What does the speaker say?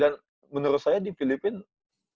dan menurut saya di filipina kita udah ada tryout ke filipina